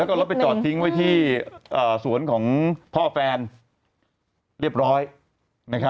แล้วก็รถไปจอดทิ้งไว้ที่สวนของพ่อแฟนเรียบร้อย